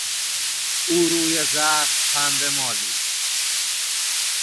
او روی زخم پنبه مالید.